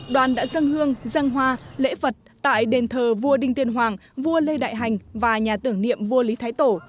đoàn đã dân hương dân hoa lễ vật tại đền thờ vua đinh tiên hoàng vua lê đại hành và nhà tưởng niệm vua lý thái tổ